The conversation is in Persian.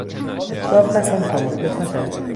اسراف نکن تا مفلس نشوی